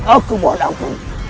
aku mohon ampun